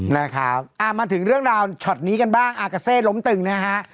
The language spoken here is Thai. นะครับอ่ามาถึงเรื่องราวช็อตนี้กันบ้างอากาเซล้มตึงนะฮะ